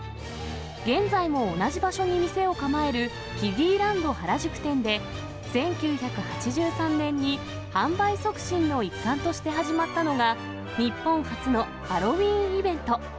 現在も同じ場所に店を構えるキデイランド原宿店で、１９８３年に販売促進の一環として始まったのが、日本初のハロウィーンイベント。